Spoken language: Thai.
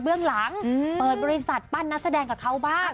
หลังเปิดบริษัทปั้นนักแสดงกับเขาบ้าง